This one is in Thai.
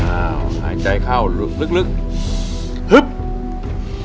อ้าวหายใจเข้าลึก